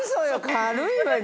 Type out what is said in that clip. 軽いわよ。